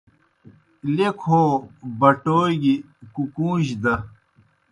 لیکھوْ ہو بٹَوٗ گیْ کُکُوں جیْ دہ۔